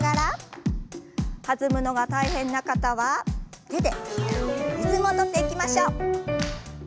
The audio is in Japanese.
弾むのが大変な方は手でリズムを取っていきましょう。